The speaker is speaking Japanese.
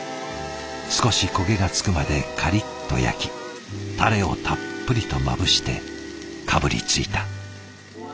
少し焦げがつくまでカリッと焼きタレをたっぷりとまぶしてかぶりついた。